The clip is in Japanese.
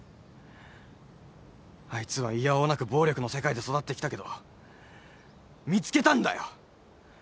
あいつはいや応なく暴力の世界で育ってきたけど見つけたんだよ。